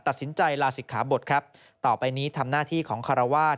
ตัดสินใจลาศิกขาบทครับต่อไปนี้ทำหน้าที่ของคารวาส